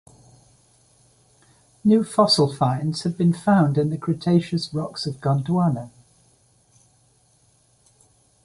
New fossil finds have been found in the Cretaceous rocks of Gondwana.